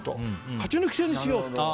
勝ち抜き戦にしようと。